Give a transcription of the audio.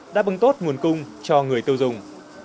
đã bưng tốt nguồn cung cho người tiêu dùng